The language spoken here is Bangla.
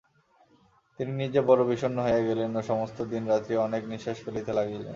তিনি নিজে বড়ো বিষণ্ন হইয়া গেলেন ও সমস্ত দিন রাত্রি অনেক নিশ্বাস ফেলিতে লাগিলেন।